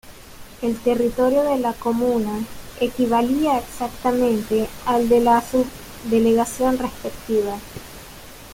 El territorio de la comuna equivalía exactamente al de la subdelegación respectiva.